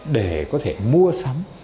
để có thể mua sắm